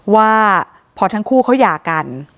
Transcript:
ว่าพอทั้งคู่เขาหย่ากัน